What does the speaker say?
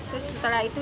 terus setelah itu